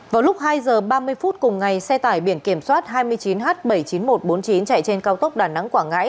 vào lúc hai giờ ba mươi phút cùng ngày xe tải biển kiểm soát hai mươi chín h bảy mươi chín nghìn một trăm bốn mươi chín chạy trên cao tốc đà nẵng quảng ngãi